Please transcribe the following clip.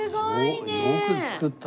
よく作ったね。